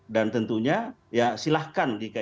dan tentunya silahkan jika itu berlaku